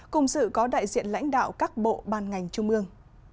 cùng sự có đại diện lãnh đạo các bộ ban ngành trung ương